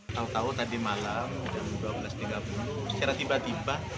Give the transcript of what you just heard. tahu tahu tadi malam jam dua belas tiga puluh secara tiba tiba